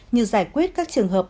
như giải quyết các trường hợp